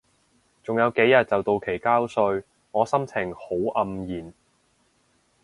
仲有幾日就到期交稅，我心情好黯然